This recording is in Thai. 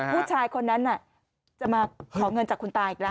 ผู้ชายคนนั้นจะมาขอเงินจากคุณตาอีกแล้ว